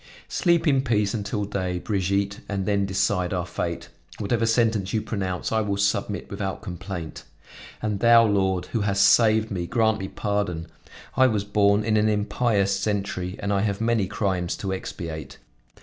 Sleep in peace until day, Brigitte, and then decide our fate; whatever sentence you pronounce, I will submit without complaint. And thou, Lord, who hast saved me, grant me pardon. I was born in an impious century, and I have many crimes to expiate.